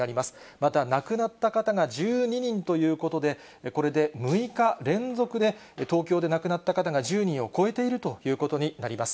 また亡くなった方が１２人ということで、これで６日連続で、東京で亡くなった方が１０人を超えているということになります。